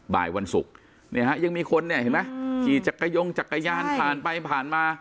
บ่ายวันศุกร์เนี่ยฮะยังมีคนเนี่ยเห็นไหมขี่จักรยานยงจักรยานผ่านไปผ่านมา